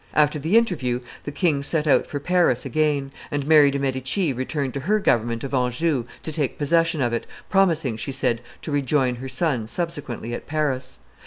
After the interview, the king set out for Paris again; and Mary de' Medici returned to her government of Anjou to take possession of it, promising, she said, to rejoin her son subsequently at Paris.